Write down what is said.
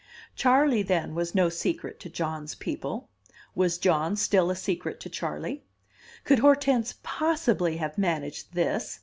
Charley, then, was no secret to John's people. Was John still a secret to Charley? Could Hortense possibly have managed this?